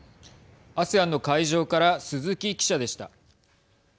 ＡＳＥＡＮの会場から鈴木記者でした。